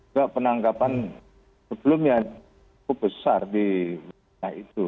itu penangkapan sebelumnya cukup besar di sana itu